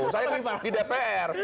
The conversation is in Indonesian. saya kan di dpr